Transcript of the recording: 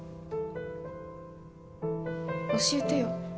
教えてよ。